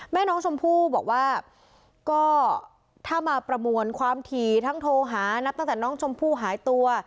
แม่น้องชมพู่บอกว่าก็ถ้ามาประมวลความถี่ทั้งโทรหานับตั้งแต่น้องชมพู่หายตัว